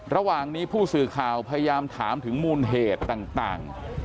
ระหว่างนี้ผู้สื่อข่าวพยายามถามถึงมูลเหตุต่าง